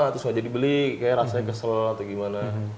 terus wajah dibeli kayak rasanya kesel atau gimana